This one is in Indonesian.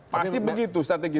pasti begitu strategi